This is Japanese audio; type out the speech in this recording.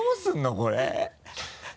これ。